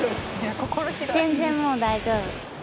全然もう大丈夫。